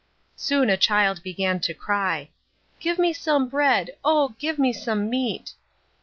Soon a child began to cry, "Give me some bread. Oh, give me some meat!"